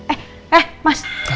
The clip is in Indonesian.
eh eh mas